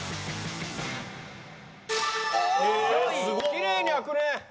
きれいに開くね。